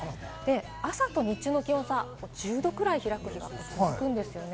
朝と日中の気温差１０度くらい開くんですね。